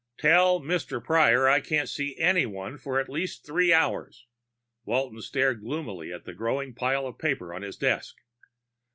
"Tell Mr. Prior I can't see anyone for at least three hours." Walton stared gloomily at the growing pile of paper on his desk.